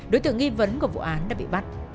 đối tượng nghi vấn của vụ án đã bị bắt